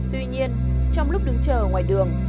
tuy nhiên trong lúc đứng chờ ở ngoài đường